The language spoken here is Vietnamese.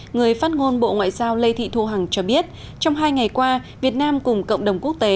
người phát ngôn bộ ngoại giao lê thị thu hằng cho biết trong hai ngày qua việt nam cùng cộng đồng quốc tế